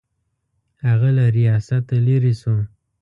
هغه له ریاسته لیرې شو.